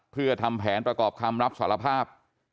เพื่อทำแผนประกอบคำรับสารภาพ